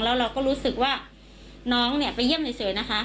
แล้วเราก็รู้สึกว่าน้องเนี่ยไปเยี่ยมเฉยนะคะ